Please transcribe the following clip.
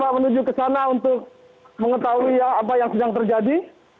kita menuju ke sana untuk mengetahui apa yang sedang terjadi